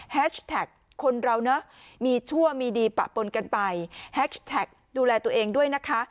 แฮชแท็กคนเราเนอะมีชั่วมีดีปะปนกันไปแฮชแท็กดูแลตัวเองด้วยนะคะ